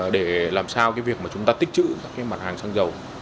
để làm sao cái việc mà chúng ta tích trữ các cái mặt hàng xăng dầu